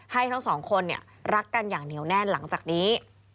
ทั้งสองคนรักกันอย่างเหนียวแน่นหลังจากนี้